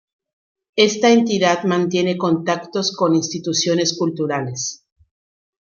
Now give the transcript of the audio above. Esta entidad mantiene contactos con instituciones culturales.